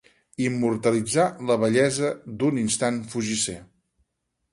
Immortalitzar la bellesa d'un instant fugisser.